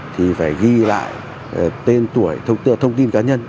thì phải ghi lại tên tuổi thông tin cá nhân